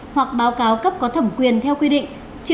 hoặc báo cáo cấp có thẩm quyền theo quy định